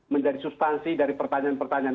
menjadi substansi dari pertanyaan pertanyaan